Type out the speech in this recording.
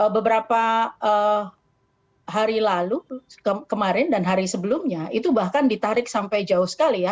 beberapa hari lalu kemarin dan hari sebelumnya itu bahkan ditarik sampai jauh sekali ya